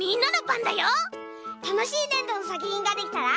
たのしいねんどのさくひんができたら！